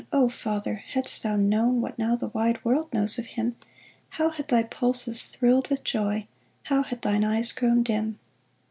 O father, hadst thou known What now the wide world knows of him, How had thy pulses thrilled with joy, How had thine eye grown dim